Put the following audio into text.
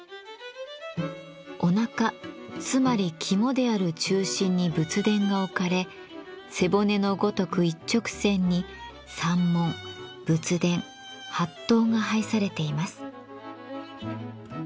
おなかつまり肝である中心に仏殿が置かれ背骨のごとく一直線に山門仏殿法堂が配されています。